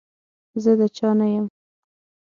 زه د چا نه يم.